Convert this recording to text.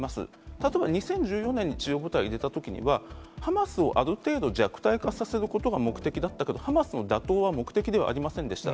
例えば２０１４年に地上部隊を入れたときには、ハマスをある程度、弱体化させることが目的だったけど、ハマスの打倒は目的ではありませんでした。